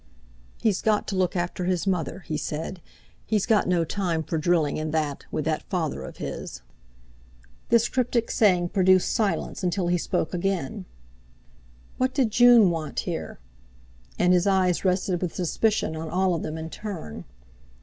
"He's got to look after his mother," he said, "he's got no time for drilling and that, with that father of his." This cryptic saying produced silence, until he spoke again. "What did June want here?" And his eyes rested with suspicion on all of them in turn.